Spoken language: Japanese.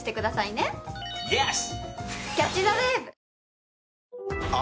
イエス！